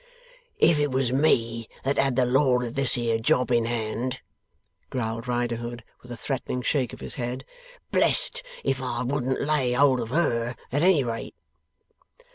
'If it was me that had the law of this here job in hand,' growled Riderhood with a threatening shake of his head, 'blest if I wouldn't lay hold of HER, at any rate!